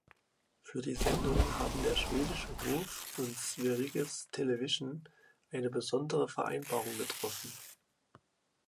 Für die Sendung haben der schwedische Hof und Sveriges Television eine besondere Vereinbarung getroffen.